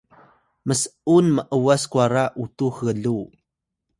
ms’un m’was kwara utux gluw